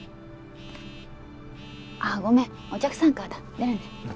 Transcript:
あっごめんお客さんからだ出るね